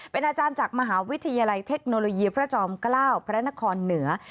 เป็นอาจารย์จากมหาวิทยาลัยเทคโนโลยีพระจอมเกล้าพระนครเหนือ